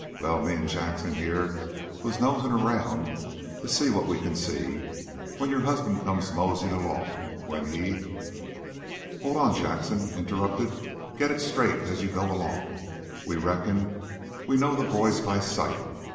Well, me an' Jackson here was nosin' around to see what we can see, when your husband comes moseyin' along. When he " "Hold on," Jackson interrupted. "Get it straight as you go along. We reckon we know the boys by sight.